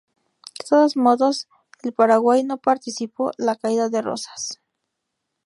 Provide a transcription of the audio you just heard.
De todos modos, el Paraguay no participó la caída de Rosas.